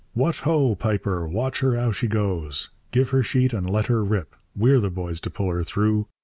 What ho, Piper! watch her how she goes! Give her sheet and let her rip. We're the boys to pull her through.